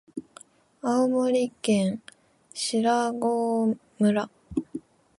青森県新郷村